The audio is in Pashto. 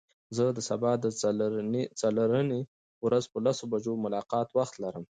زه سبا د څلرنۍ ورځ په لسو بجو د ملاقات وخت لرم.